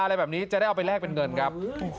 อะไรแบบนี้จะได้เอาไปแลกเป็นเงินครับ